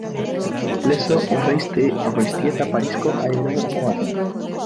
Lezo Urreiztieta Parisko aerodromo batean.